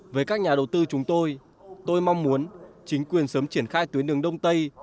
với các nhà đầu tư chúng tôi tôi mong muốn chính quyền sớm triển khai tuyến đường đông tây